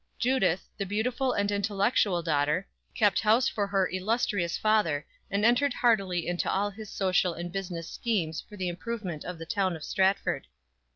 _ Judith, the beautiful and intellectual daughter, kept house for her illustrious father, and entered heartily into all his social and business schemes for the improvement of the town of Stratford.